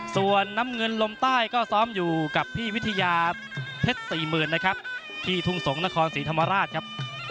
ส่วนน้ำเงินลมใต้ก็ซ้อมอยู่กับพี่วิทยาเพชร๔๐๐๐นะครับที่ทุ่งสงศ์นครศรีธรรมราชครับ